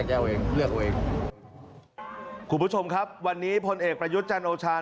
คุณผู้ชมครับวันนี้พลเอกประยุจจันทร์โอชา